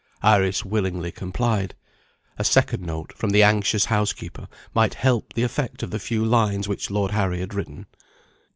Iris willingly complied. A second note, from the anxious housekeeper, might help the effect of the few lines which Lord Harry had written.